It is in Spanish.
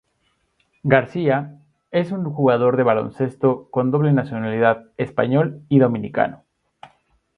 García, es un jugador de baloncesto con doble nacionalidad español y dominicano.